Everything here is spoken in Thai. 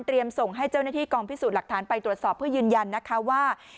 ส่งให้เจ้าหน้าที่กองพิสูจน์หลักฐานไปตรวจสอบเพื่อยืนยันนะคะว่า